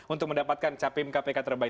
untuk mendapatkan capim kpk terbaik